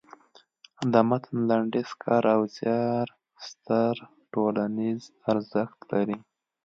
د متن لنډیز کار او زیار ستر ټولنیز ارزښت لري.